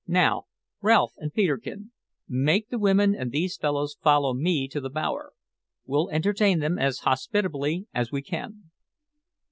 "Now, Ralph and Peterkin, make the women and these fellows follow me to the bower. We'll entertain them as hospitably as we can."